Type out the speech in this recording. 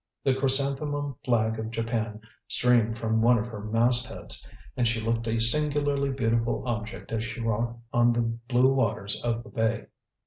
The chrysanthemum flag of Japan streamed from one of her mast heads, and she looked a singularly beautiful object as she rocked on the blue waters of the bay.